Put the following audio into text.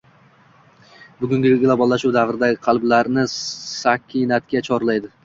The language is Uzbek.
bugungi globallashuv davrida qalblarni sakinatga chorlaydi